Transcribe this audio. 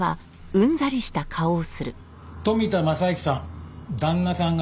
富田正之さん